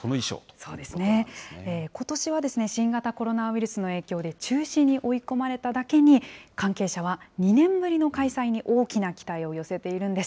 そうですね、ことしは新型コロナウイルスの影響で、中止に追い込まれただけに、関係者は２年ぶりの開催に大きな期待を寄せているんです。